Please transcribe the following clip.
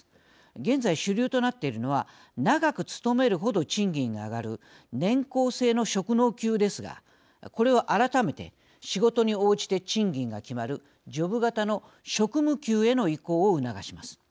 現在、主流となっているのは長く勤める程、賃金が上がる年功制の職能給ですがこれを改めて仕事に応じて賃金が決まるジョブ型の職務給への移行を促します。